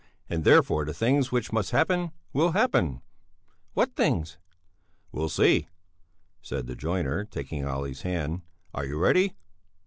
And therefore the things which must happen will happen." "What things?" "We'll see!" said the joiner, taking Olle's hand. "Are you ready?